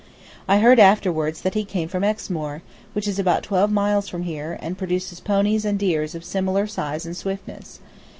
I heard afterward that he came from Exmoor, which is about twelve miles from here, and produces ponies and deers of similar size and swiftness.